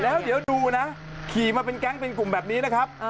แล้วเดี๋ยวดูนะขี่มาเป็นแก๊งเป็นกลุ่มแบบนี้นะครับ